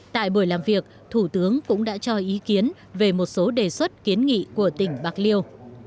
tại buổi làm việc thủ tướng cũng đã cho ý kiến về một số đề xuất kiến nghị của tỉnh bạc liêu